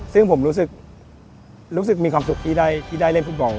ซึ่งผมรู้สึกมีความสุขที่ได้เล่นฟุตบอล